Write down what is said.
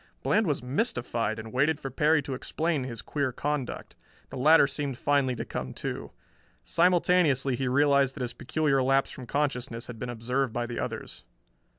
Bland was mystified and waited for Perry to explain his queer conduct. The latter seemed finally to come to. Simultaneously he realized that his peculiar lapse from consciousness had been observed by the others.